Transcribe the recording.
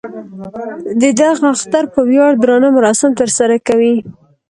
د دغه اختر په ویاړ درانه مراسم تر سره کوي.